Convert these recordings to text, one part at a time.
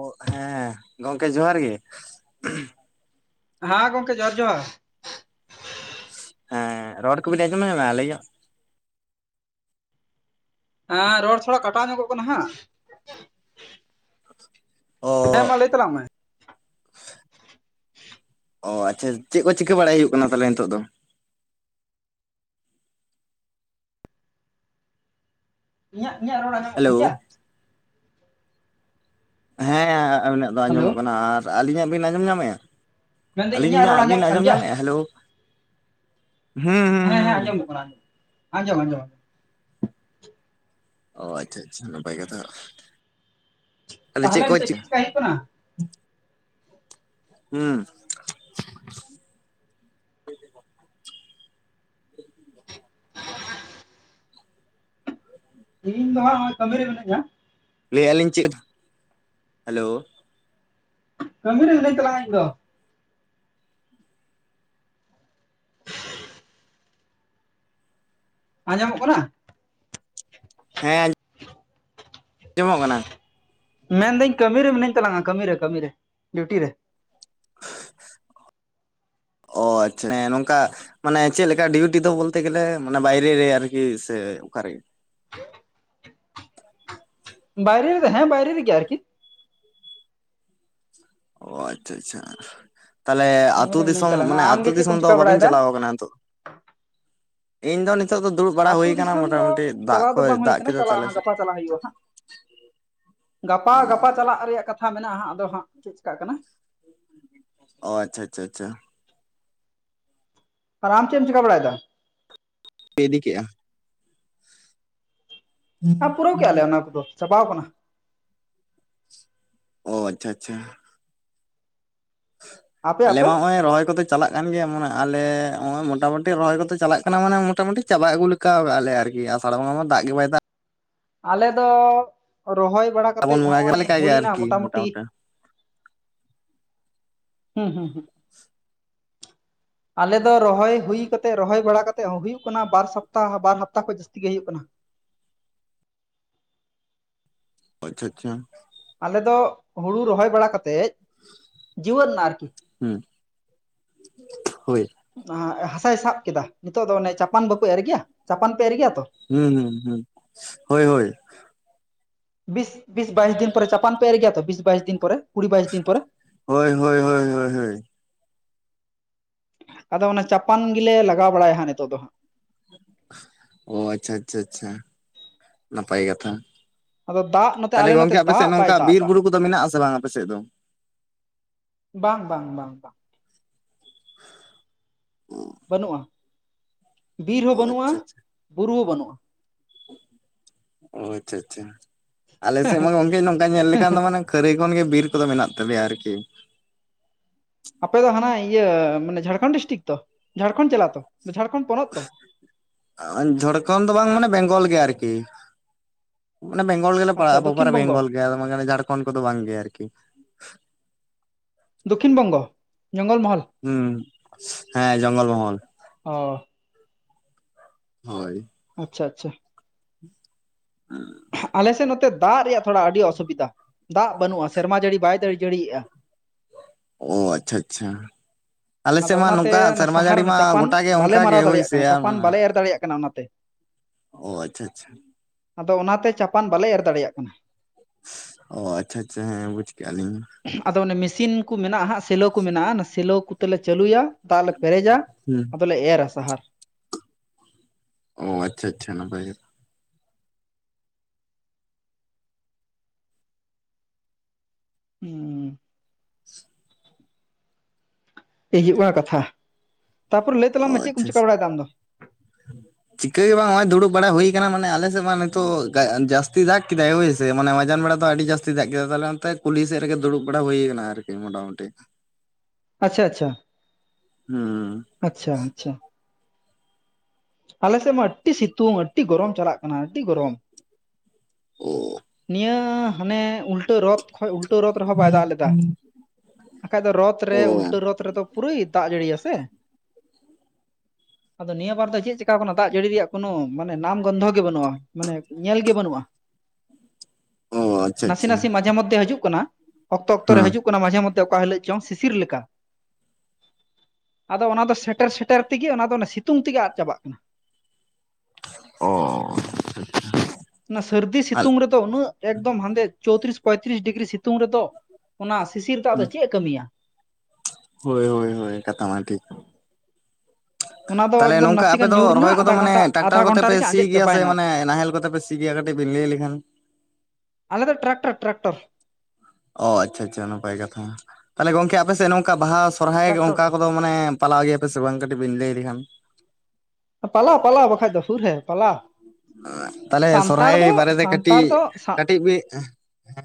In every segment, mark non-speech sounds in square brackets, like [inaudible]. ᱚ ᱦᱮᱸ ᱜᱚᱢᱠᱮ ᱡᱚᱦᱟᱨ ᱜᱮ᱾ ᱦᱟᱸ ᱜᱚᱢᱠᱮ ᱡᱚᱸᱦᱟᱨ ᱡᱚᱸᱦᱟᱨ᱾ ᱦᱮᱸ ᱨᱚᱲ ᱠᱚᱵᱤᱱ ᱟᱸᱡᱚᱢᱟ ᱧᱟᱢᱟ ᱟᱞᱤᱧᱟᱜ? ᱟᱸ ᱨᱚᱲ ᱛᱷᱚᱲᱟ ᱠᱟᱴᱟᱣ ᱧᱚᱜᱚᱜ ᱠᱟᱱᱟ ᱦᱟᱸᱜ᱾ ᱦᱮᱸ ᱚ᱾ ᱢᱟ ᱞᱟᱹᱭ ᱛᱟᱞᱟᱝ ᱢᱮ ᱚ ᱟᱪᱪᱷᱟ, ᱪᱮᱫ ᱠᱚ ᱪᱤᱠᱟᱹ ᱵᱟᱲᱟᱭ ᱦᱩᱭᱩᱜ ᱠᱟᱱᱟ ᱛᱟᱦᱚᱞᱮ ᱱᱤᱛᱳᱜ ᱫᱚ? ᱤᱧᱟᱜ ᱤᱧᱟᱜ ᱨᱚᱲ ᱟᱸᱚᱢᱚᱜ ᱦᱮᱞᱳ ᱠᱟᱱ ᱜᱮᱭᱟ? ᱦᱮᱸ ᱟ ᱟᱹᱵᱤᱱᱟᱜ ᱫᱚ ᱦᱮᱞᱳ ᱟᱸᱡᱚᱢᱚᱜ ᱠᱟᱱᱟ, ᱟᱨ ᱟᱹᱞᱤᱧᱟᱜ ᱵᱤᱱ ᱟᱸᱡᱚᱢ ᱧᱟᱢᱮᱫᱼᱟ? ᱢᱮᱱᱫᱟᱹᱧ ᱟᱹᱞᱤᱧ ᱤᱧᱟᱹᱜ ᱢᱟ ᱨᱚᱲ ᱟᱹᱵᱤᱱ ᱟᱸᱡᱚᱢᱚᱜ ᱠᱟᱱ ᱟᱸᱡᱚᱢ ᱜᱮᱭᱟ ᱧᱟᱢᱮᱫ-ᱟ? ᱦᱮᱞᱳ᱾ ᱦᱩᱸ ᱦᱩᱸ ᱦᱮᱸ ᱦᱮᱸ ᱦᱩᱸ ᱟᱸᱚᱢᱚᱜ ᱠᱟᱱᱟ ᱟᱸᱡᱚᱢ, ᱟᱸᱡᱚᱢ ᱟᱸᱡᱚᱢ᱾ ᱚ ᱟᱪᱪᱷᱟ ᱟᱪᱪᱷᱟ ᱱᱟᱯᱟᱭ ᱠᱟᱛᱷᱟ, ᱛᱟᱦᱞᱮ ᱛᱟᱦᱚᱞᱮ ᱪᱮᱫ ᱠᱚ ᱱᱤᱛᱚᱜ ᱪᱤᱠ ᱪᱮᱠᱟ ᱦᱩᱭᱩᱜ ᱠᱟᱱᱟ ᱦᱩᱸ᱾ [inaudible] ᱤᱧ ᱫᱚ ᱦᱟᱸᱜ-ᱚᱭ ᱠᱟᱹᱢᱤ ᱨᱮ ᱢᱤᱱᱟᱹᱧᱟ᱾ ᱞᱟᱹᱭᱮᱫ ᱟᱞᱤᱧ ᱪᱮᱫ? ᱦᱮᱞᱳ᱾ ᱠᱟᱹᱢᱤ ᱨᱮ ᱢᱤᱱᱟᱹᱧ ᱛᱟᱝᱟ ᱤᱧ ᱫᱚ᱾ ᱟᱸᱡᱚᱢᱚᱜ ᱠᱟᱱᱟ? ᱦᱮᱸ ᱟᱸᱡ [inaudible] ᱡᱚᱢᱚᱜ ᱠᱟᱱᱟ᱾ ᱢᱮᱱᱫᱟᱹᱧ ᱠᱟᱹᱢᱤ ᱨᱮ ᱢᱤᱱᱟᱹᱧ ᱛᱟᱞᱟᱝᱟ ᱠᱟᱹᱢᱤ ᱨᱮ ᱠᱟᱹᱢᱤ ᱨᱮ ᱰᱤᱩᱴᱤ ᱨᱮ᱾ ᱚ ᱟᱪᱪᱷᱟ ᱧᱮ ᱱᱚᱝᱠᱟ ᱢᱟᱱᱮ ᱪᱮᱫ ᱞᱮᱠᱟ ᱰᱤᱩᱴᱤ ᱫᱚ ᱵᱚᱞᱛᱮ ᱜᱮᱞᱮ ᱢᱟᱱᱮ ᱵᱟᱭᱨᱮ ᱨᱮ ᱟᱨᱠᱤ ᱥᱮ ᱚᱠᱟ ᱨᱮ? ᱵᱟᱭᱨᱮ ᱨᱮᱫᱚ ᱦᱮᱸ ᱵᱟᱭᱨᱮ ᱨᱮᱜᱮ ᱟᱨᱠᱤ᱾ ᱚ ᱟᱪᱪᱷᱟ ᱟᱪᱪᱷᱟ᱾ ᱛᱟᱦᱞᱮ ᱠᱟᱹᱢᱤ ᱟᱹᱛᱩ ᱨᱮ ᱢᱤᱱᱟᱹᱧ ᱫᱤᱥᱚᱢ ᱛᱟᱞᱟᱝᱟ ᱢᱟᱱᱮ ᱟᱹᱛᱩ ᱟᱢᱜᱮ ᱪᱮᱫ ᱫᱤᱥᱚᱢ ᱠᱚᱢ ᱫᱚ ᱪᱤᱠᱟ ᱵᱟᱹᱵᱤᱱ ᱵᱟᱲᱟᱭᱮᱫᱟ ᱪᱟᱞᱟᱣ ᱠᱟᱱᱟ ᱱᱤᱛᱚᱜ? ᱤᱧ ᱫᱚ ᱱᱤᱛ ᱱᱤᱛᱳ ᱫᱚ ᱫᱩᱲᱩᱵ ᱵᱟᱲᱟ ᱟᱹᱛᱩ ᱦᱩᱭ ᱠᱟᱱᱟ ᱫᱤᱥᱚᱢ ᱫᱚ ᱢᱳᱚᱴᱟᱢᱩᱴᱤ ᱫᱟᱜ ᱪᱟᱞᱟᱣ ᱫᱚ ᱠᱚᱭ ᱵᱟᱝ ᱦᱩᱭ ᱫᱟᱜ ᱠᱟᱱᱟ ᱠᱮᱫᱟ ᱛᱚ ᱪᱟᱞᱟᱜᱼᱟ ᱟᱞᱮ ᱦᱟᱸᱜ ᱥᱮᱫ᱾ ᱜᱟᱯᱟ ᱪᱟᱞᱟᱜ ᱦᱩᱭᱩᱜᱼᱟ ᱦᱟᱸᱜ ᱜᱟᱯᱟ ᱜᱟᱯᱟ ᱪᱟᱞᱟᱜ ᱨᱮᱭᱟᱜ ᱠᱟᱛᱷᱟ ᱢᱮᱱᱟᱜᱼᱟ ᱦᱟᱸᱜ ᱟᱫᱚ ᱦᱟᱸᱜ ᱪᱮᱫ ᱪᱮᱤᱠᱟᱜ ᱠᱟᱱᱟ᱾ ᱚ ᱟᱪᱷᱟ ᱟᱪᱷᱟ ᱟᱪᱷᱟ ᱾ ᱟᱨ ᱟᱢ ᱪᱮᱫ ᱮᱢ ᱪᱠᱟ ᱵᱟᱲᱟᱭᱮᱫᱟ? ᱯᱮ ᱤᱫᱤ ᱠᱮᱜᱼᱟ? ᱟᱨ ᱯᱩᱨᱟᱹᱣ ᱠᱮᱫᱼᱟ ᱞᱮ ᱚᱱᱟ ᱠᱚᱫᱚ ᱪᱟᱵᱟᱣ ᱠᱟᱱᱟ᱾ ᱚ ᱟᱪᱪᱷᱟ ᱟᱪᱪᱷᱟ᱾ ᱟᱯᱮ ᱟᱞᱮ ᱟᱯᱮ? ᱢᱟ ᱦᱚᱸᱜᱼᱚᱭ ᱨᱚᱦᱚᱭ ᱠᱚᱫᱚ ᱪᱟᱞᱟᱜ ᱠᱟᱱ ᱜᱮᱭᱟ ᱢᱟᱱᱮ ᱟᱞᱮ ᱱᱚᱜᱼᱚᱭ ᱢᱚᱴᱟᱢᱩᱴᱤ ᱨᱚᱦᱚᱭ ᱠᱚᱫᱚ ᱪᱟᱞᱟᱜ ᱠᱟᱱᱟ ᱢᱟᱱᱮ ᱢᱚᱴᱟᱢᱩᱴᱤ ᱪᱟᱵᱟᱜ ᱟᱹᱜᱩ ᱞᱮᱠ ᱠᱟᱣ ᱠᱟᱜᱼᱟ ᱞᱮ ᱟᱨᱠᱤ ᱟᱥᱟᱲ ᱵᱚᱸᱜᱟ ᱢᱟ ᱫᱟᱜ ᱜᱮ ᱵᱟᱭ ᱫᱟᱜ᱾ ᱟᱞᱮ ᱫᱚ ᱨᱚᱦᱚᱭ ᱵᱟᱲᱟ ᱥᱟᱵᱚᱱ ᱠᱟᱛᱮᱡ ᱵᱚᱸᱜᱟ ᱜᱮ ᱦᱚᱸᱜᱼᱚᱭ ᱞᱮᱠᱟᱜᱮ ᱦᱩᱭᱱᱟ ᱟᱨᱠᱤ ᱢᱚᱴᱟᱢᱩᱴᱤ ᱦᱩᱸ ᱦᱩᱸ ᱦᱩᱸ᱾ [inaudible] ᱟᱞᱮ ᱫᱚ ᱨᱚᱦᱚᱭ ᱦᱩᱭ ᱠᱟᱛᱮᱫ ᱨᱚᱦᱚᱭ ᱵᱟᱲᱟ ᱠᱟᱛᱮᱫ ᱦᱩᱭᱩᱜ ᱠᱟᱱᱟ ᱵᱟᱨ ᱥᱚᱯᱛᱟᱦᱚ ᱵᱟᱨ ᱦᱟᱯᱛᱟ ᱠᱷᱚᱡ ᱡᱟᱹᱥᱛᱤ ᱜᱮ ᱦᱩᱭᱩᱜ ᱠᱟᱱᱟ᱾ ᱟᱪᱪᱷᱟ ᱟᱪᱪᱷᱟ᱾ ᱟᱞᱮ ᱫᱚ ᱦᱩᱲᱩ ᱨᱚᱦᱚᱭ ᱵᱟᱲᱟ ᱠᱟᱛᱮᱫ ᱡᱩᱣᱟᱹᱫ ᱱᱟ ᱟᱨᱠᱤ᱾ ᱦᱩᱸ ᱦᱳᱭ ᱦᱟᱥᱟᱭ ᱥᱟᱵ ᱠᱮᱫᱟ ᱱᱤᱛᱚᱜ ᱫᱚ ᱚᱱᱮ ᱪᱟᱯᱟᱱ ᱵᱟᱠᱚ ᱮᱨ ᱜᱮᱭᱟ, ᱪᱟᱯᱟᱱ ᱯᱮ ᱮᱨ ᱜᱮᱭᱟ ᱛᱚ? ᱦᱩᱸ ᱦᱩᱸ ᱦᱩᱸ ᱦᱳᱭ ᱦᱳᱭ᱾ ᱵᱤᱥ ᱵᱤᱥ ᱵᱟᱭᱤᱥ ᱫᱤᱱ ᱯᱚᱨᱮ ᱪᱟᱯᱟᱱ ᱯᱮ ᱮᱨ ᱜᱮᱭᱟ ᱛᱚ ᱵᱤᱥ ᱵᱟᱭᱤᱥ ᱫᱤᱱ ᱯᱚᱨᱮ ᱠᱩᱲᱤ ᱵᱟᱭᱤᱥ ᱫᱤᱱ ᱯᱚᱨᱮ? ᱦᱳᱭ ᱦᱳᱭ ᱦᱳᱭ ᱦᱳᱭ ᱦᱳᱭ᱾ ᱟᱫᱚ ᱚᱱᱟ ᱪᱟᱯᱟᱱ ᱜᱮᱞᱮ ᱞᱟᱜᱟᱣ ᱵᱟᱲᱟᱭᱟ ᱦᱟᱸᱜ ᱱᱤᱛᱚᱜ ᱫᱚ ᱦᱟᱸᱜ᱾ ᱚ ᱟᱪᱪᱷᱟ ᱟᱪᱪᱷᱟ ᱟᱪᱪᱷᱟ ᱱᱟᱯᱟᱭ ᱠᱟᱛᱷᱟ᱾ ᱟᱫᱚ ᱫᱟᱜ ᱱᱚᱛᱮ ᱛᱟᱦᱞᱮ ᱟᱞᱮ ᱱᱚᱛᱮ ᱜᱚᱝᱠᱮ ᱟᱯᱮ ᱥᱮᱫ ᱫᱟᱜ ᱵᱟᱭ ᱱᱚᱝᱠᱟ ᱫᱟᱜ ᱵᱤᱨ ᱮᱫᱟ ᱵᱩᱨᱩ ᱠᱚᱫᱚ ᱢᱮᱱᱟᱜ-ᱟ ᱥᱮ ᱵᱟᱝ ᱟᱯᱮ ᱥᱮᱫ ᱫᱚ? ᱵᱟᱝ ᱵᱟᱝ ᱵᱟᱝ ᱵᱟᱝ᱾ [inaudible] ᱵᱟᱹᱱᱩᱜᱼᱟ, ᱵᱤᱨ ᱚ ᱦᱚᱸ ᱵᱟᱹᱱᱩᱜᱼᱟ ᱟᱪᱪᱷᱟ ᱟᱪᱪᱷᱟ ᱵᱩᱨᱩ ᱦᱚᱸ ᱵᱟᱹᱱᱩᱜᱼᱟ᱾ ᱚ ᱟᱪᱪᱷᱟ ᱟᱪᱪᱷᱟ ᱟᱞᱮ ᱥᱮᱫ ᱢᱟ ᱜᱚᱝᱠᱮ ᱱᱚᱝᱠᱟ ᱧᱮᱞ ᱞᱮᱠᱷᱟᱱ ᱫᱚ ᱢᱟᱱᱮ ᱠᱷᱟᱹᱨᱟᱹᱭ ᱠᱷᱚᱱ ᱜᱮ ᱵᱤᱨ ᱠᱚᱫᱚ ᱢᱮᱱᱟᱜ ᱛᱟᱞᱮᱭᱟ ᱟᱨᱠᱤ᱾ ᱟᱯᱮ ᱫᱚ ᱦᱟᱱᱟ ᱤᱭᱟᱹ ᱢᱟᱱᱮ ᱡᱷᱟᱲᱠᱷᱚᱱᱰ ᱰᱤᱥᱴᱤᱠ ᱛᱚ, ᱡᱷᱟᱲᱠᱷᱚᱱᱰ ᱡᱮᱞᱟ ᱛᱚ, ᱡᱷᱟᱲᱠᱷᱚᱱᱰ ᱯᱚᱱᱚᱛ ᱛᱚ᱾ ᱮ ᱡᱷᱟᱲᱠᱷᱚᱱᱰ ᱫᱚ ᱵᱟᱝ ᱢᱟᱱᱮ ᱵᱮᱝᱜᱚᱞ ᱜᱮ ᱟᱨᱠᱤ᱾ ᱢᱟᱱᱮ ᱵᱮᱝᱜᱚᱞ ᱜᱮᱞᱮ ᱟᱪᱪᱷᱟ ᱯᱟᱲᱟᱜ-ᱟ ᱫᱚᱠᱠᱷᱤᱱ ᱯᱚᱯᱟᱨ ᱵᱚᱝᱜᱚ ᱵᱮᱝᱜᱚᱞ ᱜᱮ ᱟᱫᱚ [unintelligible] ᱡᱷᱟᱲᱠᱷᱚᱱᱰ ᱠᱚᱫᱚ ᱵᱟᱝ ᱜᱮ ᱟᱨᱠᱤ᱾ ᱫᱚᱠᱠᱷᱤᱱ ᱵᱚᱝᱜᱚ ᱡᱚᱝᱜᱚᱞ ᱢᱚᱦᱚᱞ? ᱦᱩᱸ, ᱦᱮᱸ ᱡᱚᱝᱜᱚᱞ ᱢᱚᱦᱚᱞ᱾ ᱚ᱾ ᱦᱳᱭ᱾ ᱟᱪᱪᱷᱟ ᱟᱪᱪᱷᱟ᱾ [unintelligible] ᱟᱞᱮ ᱥᱮᱫ ᱱᱚᱛᱮ ᱫᱟᱜ ᱨᱮᱭᱟᱜ ᱛᱷᱚᱲᱟ ᱟᱹᱰᱤ ᱚᱥᱩᱵᱤᱫᱷᱟ ᱫᱟᱜ ᱵᱟᱹᱱᱩᱜᱼᱟ ᱥᱮᱨᱢᱟ ᱡᱟᱹᱲᱤ ᱵᱟᱭ ᱫᱟᱲᱤ ᱡᱟᱹᱲᱤᱭᱮᱜᱼᱟ᱾ ᱚ ᱟᱪᱪᱷᱟ ᱟᱪᱪᱷᱟ᱾ ᱟᱞᱮ ᱟᱫᱚ ᱥᱮᱫ ᱢᱟ ᱚᱱᱟᱛᱮ ᱱᱚᱝᱠᱟ ᱚᱱᱟ ᱥᱮᱨᱢᱟ ᱥᱟᱦᱟᱨ ᱡᱟᱹᱲᱤ ᱚᱱᱟ ᱢᱟ ᱪᱟᱯᱟᱱ ᱜᱚᱴᱟ ᱜᱮ ᱵᱟᱞᱮ ᱚᱱᱠᱟ ᱜᱮ ᱢᱟᱨᱟᱣ ᱦᱳᱭ ᱫᱟᱲᱮᱭᱟᱜ ᱥᱮ ᱠᱟᱱᱟ ᱪᱟᱯᱟᱱ ᱵᱟᱞᱮ ᱮᱨ ᱫᱟᱲᱮᱭᱟᱜ ᱠᱟᱱᱟ ᱚᱱᱟᱛᱮ᱾ ᱚ ᱟᱪᱪᱷᱟ ᱟᱪᱪᱷᱟ᱾ ᱟᱫᱚ ᱚᱱᱟᱛᱮ ᱪᱟᱯᱟᱱ ᱵᱟᱞᱮ ᱮᱨ ᱫᱟᱲᱮᱭᱟᱜ ᱠᱟᱱᱟ᱾ ᱚ ᱟᱪᱪᱷᱟ ᱟᱪᱪᱷᱟ ᱦᱮᱸ ᱵᱩᱡᱽ ᱠᱟᱜᱼᱟ ᱞᱤᱧ᱾ ᱟᱫᱚ ᱚᱱᱮ ᱢᱮᱥᱤᱱ ᱠᱚ ᱢᱮᱱᱟᱜᱼᱟ ᱦᱟᱸᱜ ᱥᱮᱞᱳ ᱠᱚ ᱢᱮᱱᱟᱜᱼᱟ ᱚᱱᱟ ᱥᱮᱞᱳ ᱠᱚᱛᱮᱞᱮ ᱪᱟᱹᱞᱩᱭᱟ ᱛᱟᱜ ᱞᱮ ᱯᱮᱨᱮᱡᱟ ᱦᱩᱸ ᱟᱫᱚᱞᱮ ᱮᱨᱟ ᱥᱟᱦᱟᱨ᱾ ᱚ ᱟᱪᱪᱷᱟ ᱟᱪᱪᱷᱟ ᱱᱟᱯᱟᱭ ᱜᱮ᱾ ᱦᱩᱸ᱾ ᱮᱭ ᱦᱩᱭᱩᱜ ᱠᱟᱱᱟ ᱠᱟᱛᱷᱟ ᱛᱟᱯᱚᱨᱮ ᱞᱟᱹᱭ ᱛᱟᱞᱟᱝ ᱚ ᱢᱮ ᱪᱮᱫ ᱟᱪᱪᱷᱟ ᱠᱚᱢ ᱟᱪᱪᱷᱟ ᱪᱤᱠᱟᱹ ᱵᱟᱲᱟᱭ ᱮᱫᱟ ᱟᱢ ᱫᱚ? ᱪᱤᱠᱟᱹ ᱜᱮ ᱵᱟᱝ ᱦᱚᱸᱜᱼᱚᱭ ᱫᱩᱲᱩᱵ ᱵᱟᱲᱟ ᱦᱩᱭ ᱠᱟᱱᱟ ᱢᱟᱱᱮ ᱟᱞᱮ ᱥᱮᱫ ᱢᱟ ᱱᱤᱛᱳᱜ ᱜᱟ ᱡᱟᱥ ᱛᱤ ᱫᱟᱜ ᱠᱮᱫᱟᱭ ᱦᱳᱭ ᱥᱮ ᱢᱟᱱᱮ ᱢᱟᱡᱟᱱ ᱵᱮᱲᱟ ᱫᱚ ᱟᱹᱰᱤ ᱡᱟᱹᱥᱛᱤ ᱫᱟᱜ ᱠᱮᱫᱟ ᱛᱟᱦᱚᱞᱮ ᱚᱱᱛᱮ ᱠᱩᱞᱦᱤ ᱥᱮᱫ ᱨᱮᱜᱮ ᱫᱩᱲᱩᱵ ᱵᱟᱲᱟ ᱦᱩᱭ ᱠᱟᱱᱟ ᱟᱨᱠᱤ᱾ ᱢᱚᱴᱟᱢᱩᱴᱤ᱾ ᱟᱪᱪᱷᱟ ᱟᱪᱪᱷᱟ᱾ ᱦᱩᱸ᱾ ᱟᱪᱪᱷᱟ ᱟᱪᱪᱷᱟ᱾ ᱟᱞᱮ ᱥᱮᱫ ᱢᱟ ᱟᱹᱰᱤ ᱥᱤᱛᱩᱝ ᱟᱹᱰᱤ ᱜᱚᱨᱚᱢ ᱪᱟᱞᱟᱜ ᱠᱟᱱᱟ ᱟᱹᱰᱤ ᱜᱚᱨᱚᱢ᱾ ᱚ ᱱᱤᱭᱟᱹ ᱦᱟᱱᱮ ᱩᱞᱴᱟᱹ ᱨᱚᱛ ᱠᱷᱚᱡ ᱩᱞ ᱴᱟᱹ ᱨᱚᱛ ᱨᱮᱦᱚᱸ ᱵᱟᱭ ᱫᱟᱜ ᱞᱮᱫᱟ ᱵᱟᱠᱷᱟᱡ ᱫᱚ ᱨᱚᱛ ᱨᱮ ᱚ ᱩᱞᱴᱟᱹ ᱨᱚᱛ ᱨᱮᱫᱚ ᱯᱩᱨᱟᱹᱭ ᱫᱟᱜ ᱡᱟᱹᱲᱤᱭᱟ ᱥᱮ ᱟᱫᱚ ᱱᱤᱭᱟᱹ ᱵᱟᱨ ᱫᱚ ᱪᱮᱫ ᱪᱮᱠᱟᱣ ᱠᱟᱱᱟ ᱫᱟᱜ ᱡᱟᱹᱲᱤ ᱨᱮᱭᱟᱜ ᱠᱳᱱᱳ ᱢᱟᱱᱮ ᱱᱟᱢ ᱜᱚᱱᱫᱷᱚ ᱜᱮ ᱵᱟᱹᱱᱩᱜᱼᱟ ᱢᱟᱱᱮ ᱧᱮᱞ ᱜᱮ ᱵᱟᱹᱱᱩᱜᱼᱟ᱾ [inaudible] ᱟᱪᱪᱷᱟ ᱱᱟᱥᱮ ᱟᱪᱪᱷᱟ ᱱᱟᱥᱮ ᱢᱟᱡᱷᱮ ᱢᱚᱫᱽᱫᱷᱮ ᱦᱤᱡᱩᱜ ᱠᱟᱱᱟ ᱚᱠᱛᱚ ᱚᱠᱛᱚ ᱨᱮ ᱦᱩᱸ ᱦᱤᱡᱩᱜ ᱠᱟᱱᱟ ᱢᱟᱡᱷᱮ ᱢᱚᱫᱽᱫᱷᱮ ᱚᱠᱟ ᱦᱤᱞᱳᱜ ᱪᱚᱝ ᱥᱤᱥᱤᱨ ᱞᱮᱠᱟ᱾ ᱟᱫᱚ ᱚᱱᱟ ᱫᱚ ᱥᱮᱴᱮᱨ ᱥᱮᱴᱮᱨ ᱛᱮᱜᱮ ᱚᱱᱟᱫᱚ ᱥᱤᱛᱩᱝ ᱛᱮᱜᱮ ᱟᱫ ᱪᱟᱵᱟᱜᱼᱟ᱾ [inaudible] ᱚᱻ ᱚᱱᱟ ᱥᱟᱹᱨᱫᱤ ᱥᱤᱛᱩᱝ ᱨᱮᱫᱚ ᱩᱱᱟᱹᱜ ᱮᱠᱫᱚᱢ ᱦᱟᱱᱫᱮ ᱪᱳᱛᱨᱤᱥ ᱯᱚᱸᱭᱛᱨᱤᱥ ᱰᱤᱜᱽᱨᱤ ᱥᱤᱛᱩᱝ ᱨᱮᱫᱚ ᱚᱱᱟ ᱥᱤᱥᱤᱨ ᱛᱟᱜ ᱫᱚ ᱪᱮᱫ ᱮ ᱠᱟᱹᱢᱤᱭᱟ᱾ ᱦᱳᱭ ᱦᱳᱭ ᱦᱳᱭ ᱠᱟᱛᱷᱟ ᱢᱟ ᱴᱷᱤᱠ᱾ ᱚᱱᱟ ᱫᱚ ᱛᱟᱦᱞᱮ ᱮᱠᱫᱚᱢ ᱱᱚᱝᱠᱟ ᱟᱯᱮ ᱱᱟᱥᱮᱜᱟᱱ ᱫᱚ ᱧᱩᱨᱱᱟ ᱨᱚᱦᱚᱭ ᱠᱚᱫᱚ ᱟᱫᱷᱟ ᱢᱟᱱᱮ ᱜᱷᱚᱱᱴᱟ ᱴᱨᱟᱠᱴᱟᱨ ᱟᱫᱷᱟ ᱠᱚᱛᱮ ᱜᱷᱚᱱᱴᱟ ᱯᱮ ᱨᱮᱜᱮ ᱥᱤ ᱟᱸᱡᱮᱫ ᱜᱮᱭᱟ ᱥᱮ ᱪᱟᱵᱟᱭᱮᱱᱟ ᱢᱟᱱᱮ ᱟᱨᱦᱚᱸ ᱱᱟᱦᱮᱞ ᱠᱚᱛᱮ ᱯᱮ ᱥᱤ ᱥᱤ ᱜᱮᱭᱟ ᱠᱟᱹᱴᱤᱡ ᱵᱤᱱ ᱞᱟᱹᱭ ᱞᱮᱠᱷᱟᱱ᱾ ᱟᱞᱮ ᱫᱚ ᱴᱨᱟᱠᱴᱟᱨ ᱴᱨᱟᱠᱴᱚᱨ᱾ ᱚ ᱟᱪᱪᱷᱟ ᱟᱪᱪᱷᱟ ᱱᱟᱯᱟᱭ ᱠᱟᱛᱷᱟ᱾ ᱛᱟᱦᱚᱞᱮ ᱜᱚᱝᱠᱮ ᱟᱯᱮᱥᱮᱫ ᱱᱚᱝᱠᱟ ᱵᱟᱦᱟ ᱥᱚᱨᱦᱟᱭ ᱴᱨᱟᱠᱴᱚᱨ ᱚᱱᱠᱟ ᱠᱚᱫᱚ ᱢᱟᱱᱮ ᱯᱟᱞᱟᱣ ᱜᱮᱭᱟ ᱯᱮ ᱥᱮ ᱵᱟᱝ ᱠᱟᱹᱴᱤᱡ ᱵᱤᱱ ᱞᱟᱹᱭ ᱞᱮᱠᱷᱟᱱ᱾ ᱯᱟᱞᱟᱣ ᱯᱟᱞᱟᱣ ᱵᱟᱠᱷᱟᱡ ᱫᱚ ᱥᱩᱨ ᱦᱮ ᱯᱟᱞᱟᱣ᱾ ᱛᱟᱦᱞᱮ ᱥᱚᱨᱚᱦᱟᱭ ᱵᱟᱨᱮ ᱛᱮ ᱠᱟᱹᱴᱤᱡ ᱥᱟᱱᱛᱟᱲ ᱫᱚ ᱥᱟ ᱠᱟᱹᱴᱤᱡ ᱵᱤ ᱦᱮᱸ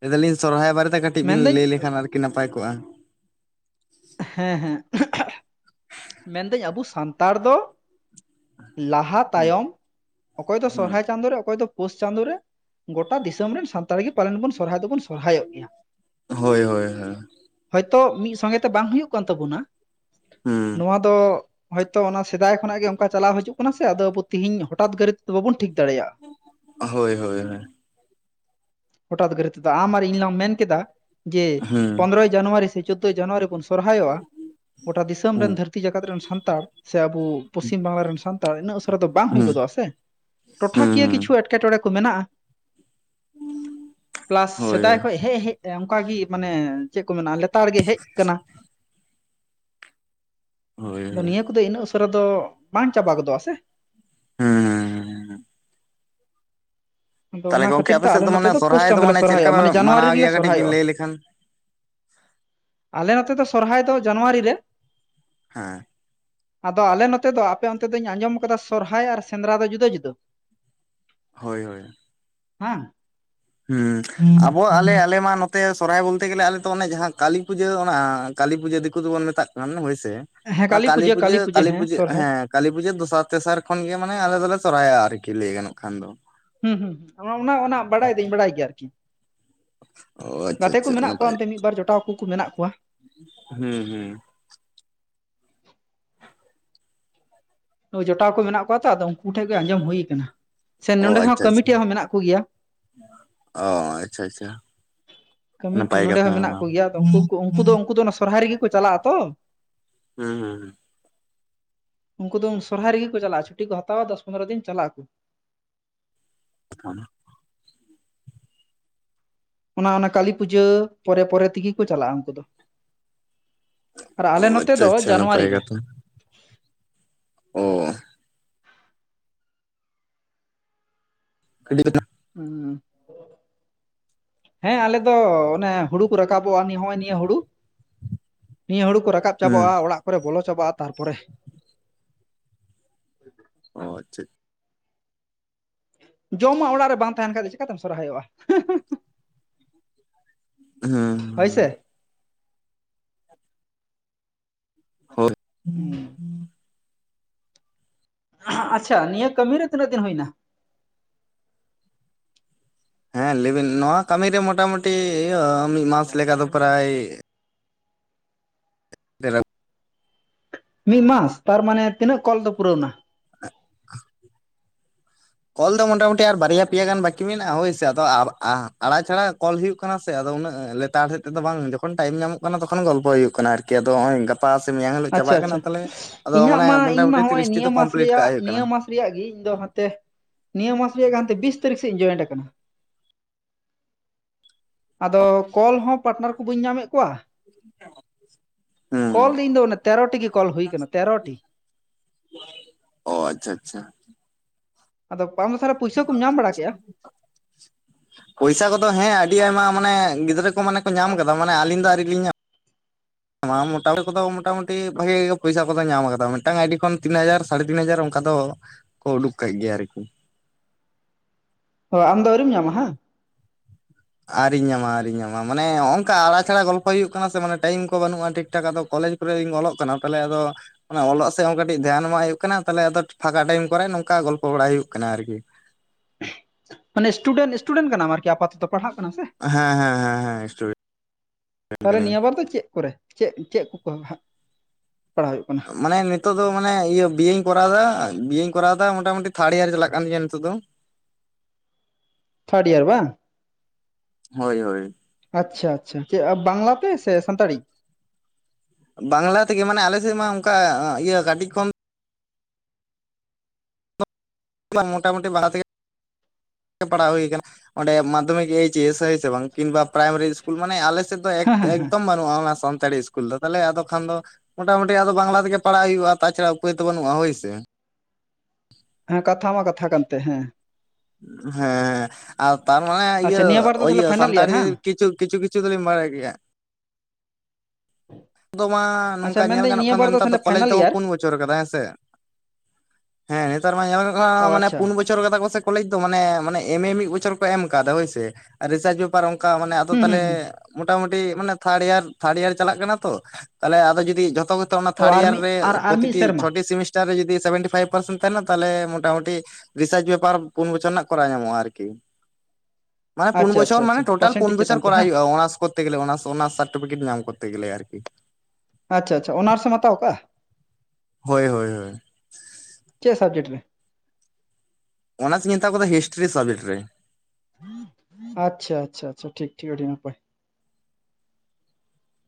ᱞᱟᱹᱭ ᱫᱟᱞᱤᱧ ᱥᱚᱨᱚᱦᱦᱟᱭ ᱵᱟᱨᱮᱛᱮ ᱠᱟᱹᱴᱤᱡ ᱵᱤᱱ ᱢᱮᱱᱫᱟᱹᱧ ᱞᱟᱹᱭ ᱞᱮᱠᱷᱟᱱ ᱟᱨᱠᱤ ᱱᱟᱯᱟᱭ ᱠᱚᱜᱼᱟ᱾ ᱦᱮᱸ ᱦᱮᱸ᱾ ᱢᱮᱱᱫᱟᱹᱧ ᱟᱵᱚ ᱥᱟᱱᱛᱟᱲ ᱫᱚ ᱞᱟᱦᱟ ᱛᱟᱭᱚᱢ ᱚᱠᱚᱭ ᱫᱚ ᱦᱩᱸ ᱥᱚᱨᱦᱟᱭ ᱪᱟᱸᱫᱳ ᱨᱮ ᱚᱠᱚᱭ ᱫᱚ ᱯᱳᱥ ᱪᱟᱸᱫᱳ ᱨᱮ ᱜᱚᱴᱟ ᱫᱤᱥᱚᱢ ᱨᱮᱱ ᱥᱟᱱᱛᱟᱲ ᱜᱮ ᱯᱟᱞᱮᱱ ᱵᱚᱱ ᱥᱚᱨᱦᱟᱭ ᱫᱚᱵᱚᱱ ᱥᱚᱨᱦᱟᱭᱚᱜ ᱜᱮᱭᱟ᱾ ᱦᱳᱭ᱾ [unintelligible] ᱦᱚᱭᱛᱳ ᱢᱤᱫ ᱥᱚᱸᱜᱮ ᱛᱮ ᱵᱟᱝ ᱦᱩᱭᱩᱜ ᱠᱟᱱ ᱛᱟᱵᱚᱱᱟ᱾ ᱦᱩᱸ ᱱᱚᱣᱟ ᱫᱚ ᱦᱚᱭᱛᱚ ᱚᱱᱟ ᱥᱮᱫᱟᱭ ᱠᱷᱚᱱᱟᱜ ᱜᱮ ᱚᱱᱠᱟ ᱪᱟᱞᱟᱣ ᱦᱤᱡᱩᱜ ᱠᱟᱱᱟ ᱥᱮ ᱟᱫᱚ ᱛᱤᱦᱤᱧ ᱦᱚᱴᱟᱛ ᱜᱟᱹᱨᱤ ᱫᱚ ᱵᱟᱵᱚᱱ ᱴᱷᱤᱠ ᱫᱟᱲᱮᱭᱟᱜᱼᱟ᱾ ᱦᱳᱭ ᱦᱳᱭ ᱦᱳᱭ᱾ ᱦᱚᱴᱟᱛ ᱜᱟᱹᱨ ᱛᱮᱫᱚ ᱟᱢ ᱟᱨ ᱤᱧ ᱞᱟᱝ ᱢᱮᱱ ᱠᱮᱫᱟ ᱡᱮ ᱦᱩᱸ ᱯᱚᱱᱨᱚᱭ ᱡᱟᱱᱩᱣᱟᱨᱤ ᱥᱮ ᱪᱳᱫᱳᱭ ᱡᱟᱱᱩᱣᱟᱨᱤ ᱵᱚᱱ ᱥᱚᱨᱦᱟᱭᱚᱜᱼᱟ᱾ ᱜᱚᱴᱟ ᱫᱤᱥᱚᱢ ᱨᱮᱱ ᱦᱩᱸ ᱫᱷᱟᱹᱨᱛᱤ ᱡᱟᱠᱟᱛ ᱨᱮᱱ ᱥᱟᱱᱛᱟᱲ ᱥᱮ ᱟᱵᱚ ᱯᱚᱥᱪᱤᱢ ᱵᱟᱝᱞᱟ ᱨᱮᱱ ᱥᱟᱱᱛᱟᱲ ᱤᱱᱟᱹᱜ ᱩᱥᱟᱹᱨᱟ ᱫᱚ ᱵᱟᱝ ᱦᱩᱭ ᱦᱩᱸ ᱜᱚᱫᱚᱜᱼᱟ ᱥᱮ ᱴᱚᱴᱷᱟ ᱦᱩᱸ ᱠᱤᱭᱟᱹ ᱦᱩᱸ ᱠᱤᱪᱷᱩ ᱮᱴᱠ ᱮᱴᱠᱮᱴᱚᱬᱮ ᱠᱚ ᱢᱮᱱᱟᱜᱼᱟ᱾ ᱯᱞᱟᱥ ᱦᱳᱭ ᱥᱮᱫᱟᱭ ᱦᱳᱭ ᱠᱷᱚᱱ ᱦᱮᱡ ᱦᱮᱡ ᱚᱱᱠᱟᱟᱜ ᱢᱟᱱᱮ ᱪᱮᱫ ᱠᱚ ᱢᱮᱱᱟ ᱞᱮᱛᱟᱲ ᱜᱮ ᱦᱮᱡ ᱟᱠᱟᱱᱟ᱾ ᱦᱳᱭ ᱟᱫᱚ ᱦᱳᱭ ᱱᱤᱭᱟ. ᱠᱚᱫᱚ ᱩᱱᱟᱹᱜ ᱩᱥᱟᱹᱨᱟ ᱫᱚ ᱵᱟᱝ ᱪᱟᱵᱟ ᱜᱚᱫᱚᱜᱼᱟ ᱥᱮ᱾ ᱦᱮᱸ ᱟᱫᱚ ᱛᱟᱦᱚᱞᱮ ᱚᱱᱟ ᱜᱚᱝᱠᱮ ᱠᱷᱟᱹᱛᱤᱨ ᱟᱯᱮ ᱛᱮ ᱥᱮᱫ ᱟᱞᱮ ᱱᱚᱛᱮ ᱢᱟᱱᱮ ᱫᱚ ᱯᱩᱥ ᱥᱚᱨᱦᱟᱭ ᱪᱟᱸᱫᱳ ᱞᱮ ᱢᱟᱱᱮ ᱪᱮᱫ ᱞᱮᱠᱟ ᱥᱚᱨᱦᱟᱭᱚᱜᱼᱟ, ᱯᱮ ᱢᱟᱱᱮ ᱡᱟᱱᱩᱣᱟᱨᱤ ᱢᱟᱱᱟᱣ ᱨᱮᱞᱮ ᱜᱮᱭᱟ ᱠᱟᱹᱴᱤᱡ ᱵᱤᱱ ᱥᱚᱨᱦᱟᱭᱚᱜᱼᱟ᱾ ᱞᱟᱹᱭ ᱞᱮᱠᱷᱟᱱ? ᱟᱞᱮ ᱱᱚᱛᱮ ᱫᱚ ᱥᱚᱨᱦᱟᱭ ᱫᱚ ᱡᱟᱱᱩᱣᱟᱨᱤ ᱨᱮ᱾ [inaudible] ᱟᱫᱚ ᱟᱞᱮ ᱱᱚᱛᱮ ᱫᱚ ᱟᱯᱮ ᱚᱱᱛᱮ ᱫᱚᱧ ᱟᱸᱡᱚᱢ ᱟᱠᱟᱫᱟ ᱥᱚᱨᱦᱟᱭ ᱟᱨ ᱥᱮᱸᱫᱽᱨᱟ ᱫᱚ ᱡᱩᱫᱟᱹ ᱡᱩᱫᱟᱹ᱾ ᱦᱳᱭ ᱦᱳᱭ ᱦᱮᱸ ᱦᱮᱸ ᱟᱵᱚ ᱟᱞᱮ ᱟᱞᱮ ᱢᱟ ᱱᱚᱛᱮ ᱥᱚᱨᱚᱦᱦᱟᱭ ᱵᱚᱞᱛᱮ ᱜᱮᱞᱮ ᱟᱞᱮ ᱫᱚ ᱚᱱᱮ ᱡᱟᱦᱟᱸ ᱠᱟᱞᱤ ᱯᱩᱡᱟᱹ ᱚᱱᱟ ᱠᱟᱹᱞᱤ ᱯᱩᱡᱟᱹ ᱫᱤᱠᱩ ᱫᱚᱵᱚᱱ ᱢᱮᱛᱟᱜ ᱠᱟᱱᱟ ᱦᱳᱭᱥᱮ ᱚᱱᱟ ᱠᱟᱹᱞᱤ ᱯᱩᱡᱟᱹ ᱠᱟᱹᱞᱤ ᱯᱩᱡᱟᱹ ᱦᱮᱸ, ᱠᱟᱹᱞᱤ ᱯᱩᱡᱟᱹ ᱫᱚᱥᱟᱨ ᱛᱮᱥᱟᱨ ᱠᱷᱚᱱ ᱜᱮ ᱢᱟᱱᱮ ᱟᱞᱮ ᱫᱚᱞᱮ ᱥᱚᱨᱟᱭᱟᱜᱼᱟ ᱟᱨᱠᱤ ᱞᱟᱹᱭ ᱜᱟᱱᱚᱜ ᱠᱷᱟᱱ ᱫᱚ᱾ ᱦᱩᱸ ᱚᱱᱟ ᱚᱱᱟ ᱵᱟᱲᱟᱭ ᱫᱚᱧ ᱵᱟᱲᱟᱭ ᱜᱮᱭᱟ ᱟᱨᱠᱤ᱾ ᱚ ᱟᱪᱪᱷᱟ ᱜᱟᱛᱮ ᱠᱚ ᱟᱪᱪᱷᱟ ᱢᱮᱱᱟᱜ ᱠᱚᱣᱟ ᱚᱱᱛᱮ ᱢᱤᱫ ᱵᱟᱨ ᱡᱚᱴᱟᱣ ᱠᱚ ᱢᱮᱱᱟᱜ ᱠᱚᱣᱟ᱾ ᱦᱩ ᱦᱩ ᱡᱚᱴᱟᱣ ᱠᱚ ᱢᱮᱱᱟᱜ ᱠᱚᱣᱟ ᱛᱚ ᱟᱫᱚ ᱩᱱᱠᱩ ᱴᱷᱮᱱ ᱜᱮ ᱟᱸᱡᱚᱢ ᱦᱩᱭ ᱠᱟᱱᱟ᱾ ᱥᱮ ᱚ ᱱᱚᱸᱰᱮ ᱦᱚᱸ ᱟᱪᱪᱷᱟ ᱠᱟᱹᱢᱤ ᱟᱪᱪᱷᱟ ᱴᱷᱮᱡ ᱦᱚᱸ ᱢᱮᱱᱟᱜ ᱠᱚ ᱜᱮᱭᱟ᱾ ᱚ ᱟᱪᱪᱷᱟ ᱟᱪᱪᱷᱟ ᱠᱟᱹᱢᱤᱴ ᱱᱟᱯᱟᱭ ᱱᱚᱸᱰᱮ ᱦᱚᱸ ᱠᱟᱛᱷᱟ ᱢᱮᱱᱟᱜ ᱚᱱᱟ ᱠᱚᱜᱮᱭᱟ ᱩᱱᱠᱩ ᱩᱱᱠᱩ ᱫᱚ ᱩᱱᱠᱩ ᱫᱚ ᱚᱱᱟ ᱥᱚᱨᱦᱟᱭ ᱨᱮᱜᱮ ᱠᱚ ᱪᱟᱞᱟᱜᱼᱟ ᱛᱚ᱾ ᱦᱩᱸ ᱦᱩᱸ ᱦᱩᱸ ᱩᱱᱠᱩ ᱫᱚ ᱥᱚᱨᱦᱟᱭ ᱨᱮᱜᱮ ᱠᱚ ᱪᱟᱞᱟᱜᱼᱟ, ᱪᱷᱩᱴᱤ ᱠᱚ ᱦᱟᱛᱟᱣᱟ ᱫᱚᱥ ᱯᱚᱸᱨᱚ ᱫᱤᱱ ᱪᱟᱞᱟᱜ ᱟᱠᱚ᱾ [unintelligible] ᱚᱱᱟ ᱚᱱᱟ ᱠᱟᱹᱞᱤ ᱯᱩᱡᱟᱹ ᱯᱚᱨᱮ ᱯᱚᱨᱮ ᱛᱮᱜᱮ ᱠᱚ ᱪᱟᱞᱟᱜᱼᱟ ᱩᱱᱠᱩ ᱫᱚ ᱟᱨ ᱚ ᱟᱞᱮ ᱱᱚᱛᱮ ᱟᱪᱪᱷᱟ ᱫᱚ ᱟᱪᱪᱷᱟ ᱱᱟᱯᱟᱭ ᱡᱟᱱᱩᱣᱟᱨᱤ ᱨᱮ ᱠᱟᱛᱷᱟ ᱚ [unintelligible] ᱦᱩᱸ ᱦᱮᱸ ᱟᱞᱮ ᱫᱚ ᱚᱱᱮ ᱦᱩᱲᱩ ᱠᱚ ᱨᱟᱠᱟᱵᱚᱜᱼᱟ ᱱᱚᱜᱼᱚᱭ ᱱᱤᱭᱟᱹ ᱦᱩᱲᱩ ᱱᱤᱭᱟᱹ ᱦᱩᱲᱩ ᱠᱚ ᱨᱟᱠᱟᱵ ᱦᱩᱸ ᱪᱟᱵᱟᱜᱼᱟ ᱚᱲᱟᱜ ᱠᱚᱨᱮ ᱵᱚᱞᱚ ᱪᱟᱵᱟᱜᱼᱟ ᱛᱟᱨᱯᱚᱨᱮ ᱚ ᱟᱪᱪᱷᱟ ᱡᱚᱢ ᱢᱟ ᱚᱲᱟᱜ ᱨᱮ ᱵᱟᱝ ᱛᱟᱦᱮᱱ ᱠᱷᱟᱱ ᱫᱚ ᱪᱤᱠᱠᱟᱛᱮᱢ ᱥᱚᱨᱦᱟᱭᱚᱜᱼᱟ ᱦᱮᱸ ᱦᱳᱭ ᱥᱮ ᱦᱳᱭ [inaudible] ᱟᱪᱪᱷᱟ ᱱᱤᱭᱟᱹ ᱠᱟᱹᱢᱤᱨᱮ ᱛᱤᱱᱟᱹᱜ ᱫᱤᱱ ᱦᱩᱭᱱᱟ ᱦᱮᱸ ᱞᱟᱹᱭᱵᱤᱱ ᱱᱚᱣᱟ ᱠᱟᱹᱢᱤᱨ ᱨᱮ ᱢᱚᱴᱟᱟᱢᱩᱴᱤ ᱤᱭᱟᱹ ᱢᱤᱫ ᱢᱟᱥ ᱞᱮᱠᱟ ᱫᱚ ᱯᱨᱟᱭ [inaudible] ᱢᱤᱫ ᱢᱟᱥ ᱛᱟᱨᱢᱟᱱᱮ ᱛᱤᱱᱟᱹᱜ ᱠᱚᱞ ᱫᱚ ᱯᱩᱨᱟᱹᱣ ᱱᱟ ᱠᱚᱞ ᱫᱚ ᱢᱚᱴᱟᱢᱩᱴᱤ ᱟᱨ ᱵᱟᱨᱭᱟ ᱯᱮᱭᱟ ᱜᱟᱱ ᱵᱟᱠᱤ ᱢᱮᱱᱟᱜᱼᱟ ᱦᱳᱭ ᱥᱮ ᱟᱫᱚ ᱟ ᱟᱲᱟ ᱪᱷᱟᱲᱟ ᱠᱚᱞ ᱦᱩᱭᱩᱜ ᱠᱟᱱᱟ ᱥᱮ ᱟᱫᱚ ᱩᱱᱟᱹᱜ ᱞᱮᱛᱟᱲ ᱥᱮᱫ ᱛᱮᱫᱚ ᱵᱟᱝ ᱡᱚᱠᱷᱚᱱ ᱴᱟᱭᱤᱢ ᱧᱟᱢᱚᱜ ᱠᱟᱱᱟ ᱛᱚᱠᱷᱚᱱ ᱜᱚᱞᱯᱚ ᱦᱩᱭᱩᱜ ᱠᱟᱱᱟ ᱟᱨᱠᱤ ᱟᱫᱚ ᱱᱚᱜᱼᱚᱭ ᱜᱟᱯᱟ ᱥᱮ ᱢᱮᱭᱟᱝ ᱦᱤᱞᱳᱜ ᱟᱪᱪᱷᱟ ᱪᱟᱵᱟᱜ ᱠᱟᱱᱟ ᱟᱪᱪᱷᱟ ᱛᱚᱦᱞᱮ ᱟᱫᱚ ᱤᱧᱟᱹᱜ ᱢᱟᱱᱮ ᱢᱟ ᱤᱧ ᱢᱚᱴᱟᱢᱩᱴᱤ ᱢᱟ ᱦᱚᱸᱜᱼᱚᱭ ᱛᱤᱨᱤᱥᱴᱤ ᱱᱤᱭᱟᱹ ᱫᱚ ᱢᱟᱥ ᱠᱚᱢᱯᱞᱤᱴ ᱠᱟᱜ ᱨᱮᱭᱟᱜ ᱦᱩᱭᱩᱜ ᱠᱟᱱᱟ ᱱᱤᱭᱟᱹ ᱢᱟᱥ ᱨᱮᱭᱟᱜ ᱜᱮ ᱤᱧ ᱫᱚ ᱦᱟᱱᱛᱮ ᱱᱤᱭᱟᱹ ᱢᱟᱥ ᱨᱮᱭᱟᱜ ᱦᱟᱱ ᱵᱤᱥ ᱛᱟᱹᱨᱤᱠᱷ ᱥᱮᱫ ᱤᱧ ᱡᱚᱭᱮᱱᱴ ᱟᱠᱟᱱᱟ ᱟᱫᱚ ᱠᱚᱞ ᱦᱚᱸ ᱯᱟᱴᱱᱟᱨ ᱠᱚ ᱵᱟᱹᱧ ᱧᱟᱢᱮᱫ ᱠᱚᱣᱟ᱾ ᱠᱚᱞ ᱦᱩᱸ ᱫᱚ ᱤᱧ ᱫᱚ ᱚᱱᱟ ᱛᱮᱨᱚᱴᱤ ᱜᱮ ᱠᱚᱞ ᱦᱩᱭᱠᱟᱱᱟ ᱛᱮᱨᱚᱴᱤ᱾ ᱚ ᱟᱪᱪᱷᱟ ᱟᱪᱪᱷᱟ᱾ ᱟᱫᱚ ᱵᱟᱢ ᱥᱟᱨᱟ ᱯᱩᱭᱥᱟᱹ ᱠᱚᱢ ᱧᱟᱢ ᱵᱟᱲᱟ ᱠᱮᱼᱟ᱾ [inaudible] ᱯᱚᱭᱥᱟ ᱠᱚᱫᱚ ᱦᱮᱸ ᱟᱹᱰᱤ ᱟᱭᱢᱟ ᱢᱟᱱᱮ ᱜᱤᱫᱽᱨᱟᱹ ᱠᱚ ᱢᱟᱱᱮ ᱠᱚ ᱧᱟᱢ ᱟᱠᱟᱫᱟ ᱢᱟᱱᱮ ᱟᱹᱞᱤᱧ ᱫᱚ ᱟᱹᱣᱨᱤ ᱞᱤᱧ ᱧᱟᱢ᱾ [inaudible] ᱢᱚᱴᱟᱢᱩᱴᱤ ᱠᱚᱫᱚ ᱢᱚᱴᱟᱢᱩᱴᱤ ᱵᱷᱟᱜᱮ ᱜᱮ ᱯᱚᱭᱥᱟ ᱠᱚᱫᱚ ᱧᱟᱢ ᱠᱟᱫᱟ ᱢᱤᱫᱴᱟᱝ ᱟᱭᱰᱤ ᱠᱷᱚᱱ ᱛᱤᱱ ᱦᱟᱡᱟᱨ ᱥᱟᱲᱮ ᱛᱤᱱ ᱦᱟᱡᱟᱨ ᱚᱱᱠᱟ ᱫᱚ ᱠᱚ ᱳᱰᱩᱠ ᱠᱟᱜ ᱜᱮᱭᱟ ᱟᱨᱠᱤ᱾ ᱚ ᱟᱢᱫᱚ ᱟᱹᱣᱨᱤᱢ ᱧᱟᱢᱟ ᱦᱟᱸᱜ᱾ ᱟᱹᱣᱨᱤᱧ ᱧᱟᱢᱟ ᱟᱹᱣᱨᱤᱧ ᱧᱟᱢᱟ ᱢᱟᱱᱮ ᱱᱚᱜ-ᱱᱚᱝᱠᱟ ᱟᱲᱟᱪᱷᱟᱲᱟ ᱜᱚᱞᱯᱷᱚ ᱦᱩᱭᱩᱜ ᱠᱟᱱᱟ ᱥᱮ ᱢᱟᱱᱮ ᱴᱟᱭᱤᱢ ᱠᱚ ᱵᱟᱹᱱᱩᱜᱼᱟ ᱴᱷᱤᱠ ᱴᱷᱟᱠ ᱟᱫᱚ ᱠᱚᱞᱮᱡᱽ ᱨᱮᱧ ᱚᱞᱚᱜ ᱠᱟᱱᱟ ᱛᱟᱦᱞᱮ ᱟᱫᱚ ᱚᱱᱟ ᱚᱞᱚᱜ ᱥᱮᱫ ᱦᱚᱸ ᱠᱟᱹᱴᱤᱡ ᱫᱷᱮᱭᱟᱱ ᱮᱢᱟ ᱦᱩᱭᱩᱜ ᱠᱟᱱᱟ ᱛᱟᱦᱞᱮ ᱟᱫᱚ ᱯᱷᱟᱸᱠᱟ ᱴᱟᱭᱤᱢ ᱠᱚᱨᱮ ᱱᱚᱝᱠᱟ ᱜᱚᱞᱯᱚ ᱵᱟᱲᱟᱭ ᱦᱩᱭᱩᱜ ᱠᱟᱱᱟ ᱟᱨᱠᱤ᱾ ᱢᱟᱱᱮ ᱤᱥᱴᱩᱰᱮᱱᱴ ᱤᱥᱴᱩᱰᱮᱱᱴ ᱠᱟᱱᱟᱢ ᱟᱨᱠᱤ ᱟᱯᱟᱛᱚᱫᱚ ᱯᱟᱲᱟᱜ ᱠᱟᱱᱟ ᱥᱮ? ᱦᱮᱸ ᱦᱮᱸ ᱤᱥᱴᱩᱰᱮᱱᱴ᱾ ᱛᱟᱦᱚᱞᱮ ᱱᱤᱭᱟᱹ ᱵᱟᱨ ᱫᱚ ᱪᱮᱫ ᱠᱚᱨᱮ ᱪᱮᱫ ᱪᱮᱫ ᱠᱚ ᱯᱟᱲᱦᱟ ᱯᱟᱲᱦᱟᱣ ᱦᱩᱭᱩᱜ ᱠᱟᱱᱟ? ᱢᱟᱱᱮ ᱱᱤᱛᱚᱜ ᱫᱚ ᱢᱟᱱᱮ ᱤᱭᱟᱹ ᱵᱤᱭᱮᱧ ᱠᱚᱨᱟᱣ ᱫᱟ ᱵᱤᱭᱮᱧ ᱠᱚᱨᱟᱣ ᱫᱟ ᱢᱚᱴᱟᱢᱩᱴᱤ ᱛᱷᱟᱲ ᱤᱭᱟᱨ ᱪᱟᱞᱟᱜ ᱠᱟᱱ ᱛᱤᱧᱟ ᱱᱤᱛᱚᱜ ᱫᱚ᱾ ᱛᱟᱨᱰ ᱤᱭᱟᱨ ᱵᱟ? ᱦᱳᱭ ᱦᱳᱭ᱾ ᱟᱪᱪᱷᱟ ᱟᱪᱪᱷᱟ ᱪᱮᱫ ᱵᱟᱝᱞᱟ ᱛᱮ ᱥᱮ ᱥᱟᱱᱛᱟᱲᱤ? ᱵᱟᱝᱞᱟ ᱛᱮᱜᱮ ᱢᱟᱱᱮ ᱟᱞᱮᱥᱮᱫ ᱢᱟ ᱚᱝᱠᱟ ᱤᱭᱟᱹ ᱠᱟᱹᱴᱤᱡ ᱠᱷᱚᱱ ᱢᱚᱴᱟ-ᱢᱩᱴᱤ ᱵᱟᱦᱟ ᱛᱮᱜᱮ ᱯᱟᱲᱦᱟᱣ ᱦᱩᱭ ᱠᱟᱱᱟ ᱚᱸᱰᱮ ᱢᱟᱫᱷᱚᱢᱤᱠ ᱮᱭᱤᱪᱮᱥ ᱦᱳᱭ ᱥᱮ ᱵᱟᱝ ᱠᱤᱢᱵᱟ ᱯᱨᱟᱭᱢᱟᱨᱤ ᱤᱥᱠᱩᱞ ᱢᱟᱱᱮ ᱟᱞᱮ ᱥᱮᱫ ᱫᱚ ᱮᱠ ᱦᱮᱸ ᱦᱮᱸ ᱦᱮᱸ ᱮᱠᱫᱚᱢ ᱵᱟᱹᱱᱩᱜᱼᱟ ᱚᱱᱟ ᱥᱟᱱᱛᱟᱲᱤ ᱤᱥᱠᱩᱞ ᱫᱚ ᱛᱟᱦᱚᱞᱮ ᱟᱫᱚ ᱠᱷᱟᱱ ᱫᱚ ᱢᱚᱴᱟ-ᱢᱩᱴᱤ ᱟᱫᱚ ᱵᱟᱝᱞᱟ ᱛᱮᱜᱮ ᱯᱟᱲᱦᱟᱜ ᱦᱩᱭᱩᱜᱼᱟ ᱛᱟᱪᱷᱟᱲᱟ ᱩᱯᱟᱹᱭ ᱫᱚ ᱵᱟᱹᱱᱩᱜᱼᱟ ᱦᱳᱭ ᱥᱮ᱾ ᱦᱮᱸ ᱠᱟᱛᱷᱟ ᱢᱟ ᱠᱟᱛᱷᱟ ᱠᱟᱱᱛᱮ ᱦᱮᱸ᱾ ᱦᱮᱸᱮᱸ᱾ ᱟᱨ ᱛᱟᱨ ᱢᱟᱱᱮ ᱤᱭᱟᱹ ᱟᱪᱪᱷᱟ ᱱᱤᱭᱟᱹ ᱵᱟᱨ ᱫᱚ ᱛᱟᱦᱚᱞᱮ ᱤᱭᱟᱹ ᱯᱷᱟᱭᱱᱟᱞ ᱤᱭᱟᱨ ᱥᱟᱱᱛᱟᱲᱤ ᱦᱟᱝ ᱠᱤᱪᱷᱩ ᱠᱤᱪᱷᱩ ᱠᱤᱪᱷᱩ ᱫᱚᱞᱤᱧ ᱵᱟᱲᱟᱭ ᱜᱮᱭᱟ᱾ ᱫᱚ ᱢᱟ ᱱᱚᱝᱠᱟ ᱟᱪᱪᱷᱟ ᱧᱮᱞ ᱢᱮᱱᱫᱟᱹᱧ ᱜᱟᱱᱚᱜ ᱱᱤᱭᱟᱹ ᱠᱷᱟᱱ ᱵᱟᱨ ᱱᱮᱛᱟᱨ ᱫᱚ ᱛᱟᱦᱚᱞᱮ ᱠᱚᱞᱮᱡᱽ ᱯᱷᱟᱭᱱᱟᱞ ᱫᱚᱠᱚ ᱤᱭᱟᱨ ᱯᱩᱱ ᱵᱚ ᱪᱚᱨ ᱠᱟᱫᱟᱭ ᱦᱮᱸᱥᱮ, ᱦᱮᱸ ᱱᱮᱛᱟᱨ ᱢᱟ ᱧᱮᱞᱚᱜ ᱚ ᱠᱟᱱᱟ ᱢᱟᱱᱮ ᱟᱪᱪᱷᱟ ᱯᱩᱱ ᱵᱚ ᱵᱚᱪᱷᱚᱨ ᱠᱟᱫᱟ ᱠᱚ ᱥᱮ ᱠᱚᱞᱮᱡᱽ ᱫᱚ ᱢᱟᱱᱮ ᱢᱟᱱᱮ ᱮᱢ ᱮ ᱢᱤᱫ ᱵᱚᱪᱷᱚᱨ ᱠᱚ ᱮᱢ ᱟᱠᱟᱫᱟ ᱦᱳᱭᱥᱮ, ᱟᱨ ᱨᱤᱥᱟᱨᱪ ᱯᱮᱯᱟᱨ ᱚᱱᱠᱟ ᱢᱟᱱᱮ ᱟᱫᱚ ᱦᱩᱸ ᱦᱩᱸ ᱛᱟᱦᱞᱮ ᱦᱩᱸ ᱢᱚᱴᱟ-ᱢᱩᱴᱤ ᱢᱟᱱᱮ ᱛᱷᱟᱨᱰ ᱤᱭᱟᱨ ᱛᱷᱟᱨᱰ ᱤᱭᱟᱨ ᱪᱟᱞᱟᱜ ᱠᱟᱱᱟ ᱛᱚ ᱛᱟᱦᱞᱮ ᱟᱫᱚ ᱡᱩᱫᱤ ᱡᱚᱛᱚ ᱜᱮᱛᱚ ᱚᱱᱟ ᱚ ᱛᱷᱟᱨᱰ ᱟᱨ ᱤᱭᱟᱨ ᱢᱤᱫ ᱨᱮ ᱟᱨ ᱟᱨ ᱢᱤᱫ ᱯᱨᱚᱛᱤᱴᱤ ᱥᱮᱨᱢᱟ ᱪᱷᱚᱴᱤ ᱥᱮᱢᱤᱥ ᱴᱟᱨ ᱡᱩᱫᱤ ᱥᱮᱵᱮᱱᱴᱤ ᱯᱷᱟᱭᱤᱯ ᱯᱟᱨᱥᱮᱱᱴ ᱛᱟᱦᱮᱱᱟ ᱛᱟᱦᱚᱞᱮ ᱢᱳᱴᱟ-ᱢᱩᱴᱤ ᱨᱤᱥᱟᱨᱪ ᱯᱮᱯᱟᱨ ᱯᱩᱱ ᱵᱚᱪᱷᱚᱨ ᱨᱮᱱᱟᱜ ᱠᱚᱨᱟᱣ ᱧᱟᱢᱚᱜᱼᱟ ᱟᱨᱠᱤ᱾ ᱢᱟᱱᱮ ᱯᱩᱱ ᱟᱪᱪᱷᱟ ᱵᱚᱪᱷᱚᱨ ᱟᱪᱪᱷᱟ ᱟᱪᱪᱷᱟ ᱢᱟᱱᱮ ᱴᱳᱴᱟᱞ ᱯᱳᱱ ᱯᱟᱨᱥᱮᱱᱴᱮᱡᱽ ᱵᱚᱪᱷᱚᱨ ᱪᱮᱛᱟᱱ ᱛᱮ ᱠᱚᱨᱟᱣ ᱦᱟᱸ ᱦᱩᱭᱩᱜᱼᱟ ᱚᱱᱟᱥ ᱠᱚᱨᱥ᱾ ᱠᱚᱨᱛᱮ ᱜᱮᱞᱮ ᱚᱱᱟᱥ ᱚᱱᱟᱥ ᱥᱟᱨᱴᱤᱯᱷᱤᱠᱮᱴ ᱧᱟᱢ ᱠᱚᱨᱛᱮ ᱜᱮᱞᱮ ᱟᱨᱠᱤ᱾ ᱟᱪᱪᱷᱟ ᱟᱪᱪᱷᱟ ᱚᱱᱟᱨᱥᱮᱢ ᱦᱟᱛᱣᱟ ᱠᱟᱜᱼᱟ ᱦᱳᱭ ᱦᱳᱭ ᱦᱳᱭ ᱪᱮᱫ ᱥᱟᱵᱽᱡᱮᱠᱴ ᱨᱮ? ᱚᱱᱟᱥ ᱤᱧ ᱦᱟᱛᱟᱣ ᱠᱟᱫᱟ ᱦᱤᱥᱴᱨᱤ ᱥᱟᱵᱽᱡᱮᱠᱴ ᱨᱮ᱾ ᱟᱪᱪᱷᱟ ᱟᱪᱪᱷᱟ ᱟᱪᱪᱷᱟ ᱴᱷᱤᱠ ᱴᱷᱤᱠ ᱟᱹᱰᱤ ᱱᱟᱯᱟᱭ᱾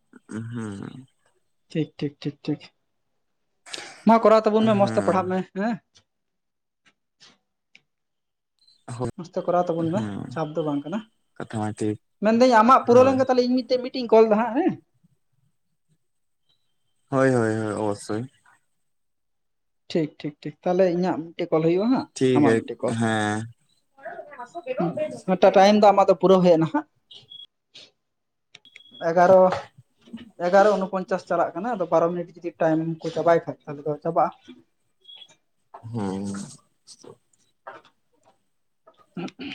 [unintelligible] ᱴᱷᱤᱠ ᱴᱷᱤᱠ ᱴᱷᱤᱠ ᱴᱷᱤᱠ, ᱢᱟ ᱠᱚᱨᱟᱣ ᱛᱟᱵᱚᱱ ᱢᱮ ᱦᱩᱸ ᱢᱚᱸᱡᱽ ᱛᱮ ᱯᱟᱲᱦᱟᱜ ᱢᱮ ᱦᱮᱸ᱾ ᱢᱚᱡᱽᱛᱮ ᱠᱚᱨᱟᱣ ᱛᱟᱵᱚᱱ ᱢᱮ ᱦᱩᱸ ᱪᱷᱟᱯ ᱫᱚ ᱵᱟᱝ ᱠᱟᱱᱟ, ᱢᱮᱱᱫᱟᱹᱧ ᱟᱢᱟᱜ ᱯᱩᱨᱟᱹᱣ ᱞᱮᱱᱠᱷᱟᱱ ᱛᱟᱦᱞᱮ ᱤᱧ ᱢᱤᱫᱴᱮᱡ ᱢᱤ ᱴᱤ ᱤᱧ ᱠᱚᱞ ᱫᱟ ᱦᱟᱸ ᱮᱸ᱾ ᱦᱳᱭ ᱦᱳᱭ ᱦᱳᱭ ᱚᱵᱚᱥᱥᱳᱭ᱾ ᱴᱷᱤᱠ ᱴᱷᱤᱠ ᱴᱷᱤᱠ ᱛᱟᱦᱞᱮ ᱤᱧᱟᱹᱜ ᱢᱤᱫᱴᱮᱡ ᱠᱚᱞ ᱦᱩᱭᱩᱜᱼᱟ ᱦᱟᱸᱜ, ᱟᱢᱟᱜ ᱢᱤᱫᱴᱮᱱ ᱠᱚᱞ ᱢᱤᱫᱴᱟᱜ ᱴᱟᱭᱤᱢ ᱫᱚ ᱟᱢᱟᱜ ᱫᱚ ᱯᱩᱨᱟᱹᱣ ᱦᱩᱭᱱᱟ ᱦᱟᱜ, ᱮᱜᱟᱨᱚ, ᱮᱜᱟᱨᱚ ᱚᱯᱚᱧᱪᱟᱥ ᱪᱟᱞᱟᱜ ᱠᱟᱱᱟ ᱟᱫᱚ ᱵᱟᱨᱚ ᱢᱤᱱᱤᱴ ᱡᱩᱫᱤ ᱴᱟᱭᱤᱢ ᱠᱚ ᱪᱟᱵᱟᱭ ᱠᱷᱟᱡ ᱛᱟᱦᱚᱞᱮ ᱫᱚ ᱪᱟᱵᱟᱜᱼᱟ ᱾ ᱦᱩᱸ, [unintelligible] [unintelligible]